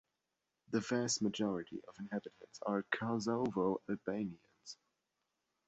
The vast majority of the inhabitants are Kosovo Albanians.